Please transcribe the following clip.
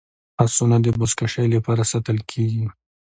اسونه د بزکشۍ لپاره ساتل کیږي.